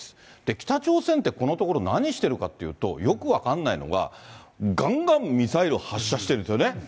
北朝鮮ってこのところ何してるかっていうと、よく分かんないのが、がんがんミサイルを発射してるんですよね。